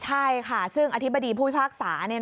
ใช่ค่ะซึ่งอธิบดีผู้พิพากษา